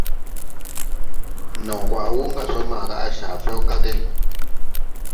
Naw gwaʼ wuŋ gà sɔ maaga à caa fɛw kag.